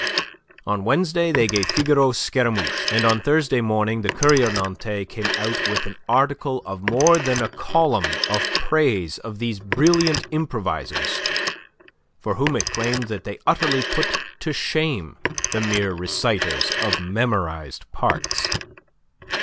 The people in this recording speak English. On Wednesday they gave "Figaro Scaramouche," and on Thursday morning the "Courrier Nantais" came out with an article of more than a column of praise of these brilliant improvisers, for whom it claimed that they utterly put to shame the mere reciters of memorized parts.